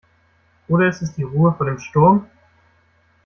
Oder ist es die Ruhe vor dem Sturm?